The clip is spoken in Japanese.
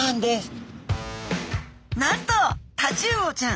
なんとタチウオちゃん